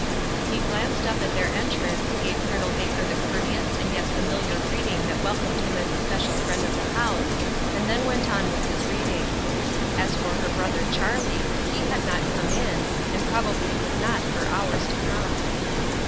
He glanced up at their entrance, gave Col. Baker the courteous and yet familiar greeting that welcomed him as a special friend of the house, and then went on with his reading. As for her brother Charlie, he had not come in, and probably would not for hours to come.